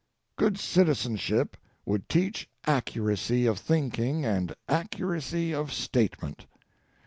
Good citizenship would teach accuracy of thinking and accuracy of statement.